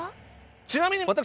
ちなみに私。